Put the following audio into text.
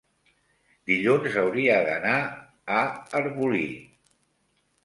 dilluns hauria d'anar a Arbolí.